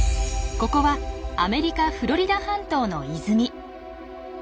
ここはアメリカフロリダ半島の泉。